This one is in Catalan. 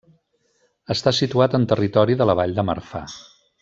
Està situat en territori de la Vall de Marfà.